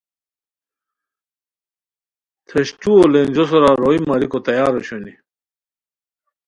ٹھشٹوؤ لینݮو سورا روئے ماریکوتے تیار اوشونی